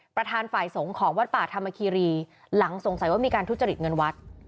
ประธานฝ่ายสงฆ์ของวัดป่าธรรมคีรีหลังสงสัยว่ามีการทุจริตเงินวัด